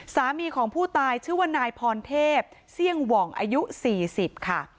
สามีของผู้ตายชื่อว่านายพรเทพเสี่ยงหว่องอายุ๔๐ค่ะ